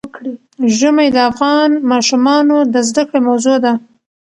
ژمی د افغان ماشومانو د زده کړې موضوع ده.